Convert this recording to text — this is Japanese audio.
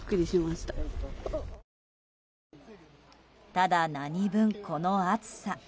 ただ何分この暑さ。